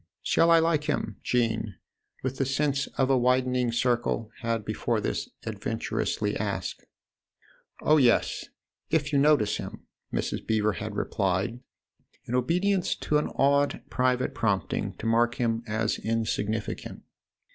" Shall I like him ?" Jean, with the sense of a widening circle, had, before this, adventurously asked. " Oh, yes, if you notice him !" Mrs. Beever had replied in obedience to an odd private prompting to mark him as insignificant.